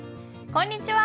こんにちは。